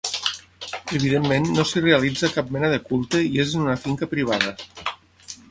Evidentment no s'hi realitza cap mena de culte i és en una finca privada.